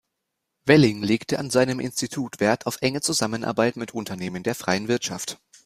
Welling legte an seinem Institut Wert auf enge Zusammenarbeit mit Unternehmen der freien Wirtschaft.